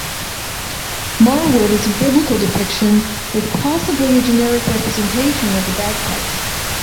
Marwood is a biblical depiction with possibly a generic representation of the bagpipes.